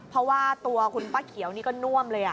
เพราะว่าตัวคุณป้าเขียวนี่ก็น่วมเลย